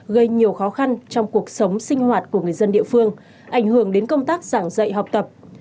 gây nhiều khó khăn trong cuộc sống sinh hoạt của người dân địa phương ảnh hưởng đến công tác giảng dạy học tập